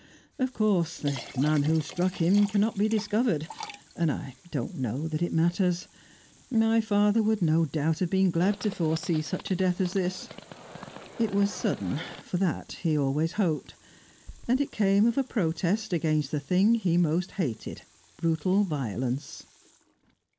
Of course the man who struck him cannot be discovered, and I don't know that it matters. My father would no doubt have been glad to foresee such a death as this. It was sudden (for that he always hoped), and it came of a protest against the thing he most hated, brutal violence."